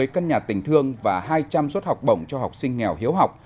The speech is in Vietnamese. một mươi căn nhà tình thương và hai trăm linh suất học bổng cho học sinh nghèo hiếu học